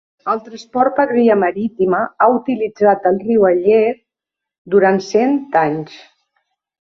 El transport per via marítima ha utilitzat el riu Aller durant cents d'anys.